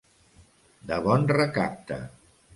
De bon recapte.